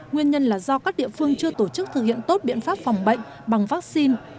nguyên nhân là do các địa phương chưa tổ chức thực hiện tốt biện pháp phòng bệnh bằng vaccine